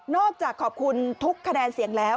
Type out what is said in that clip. อกจากขอบคุณทุกคะแนนเสียงแล้ว